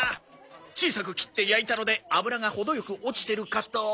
小さく切って焼いたので脂が程良く落ちてるかと。